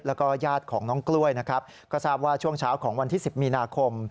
แล้วก็ญาติของน้องกล้วยนะครับก็ทราบว่าช่วงเช้าของวันที่๑๐มีนาคม